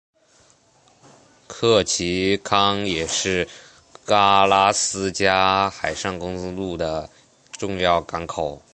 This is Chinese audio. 克奇坎也是阿拉斯加海上公路的重要港口。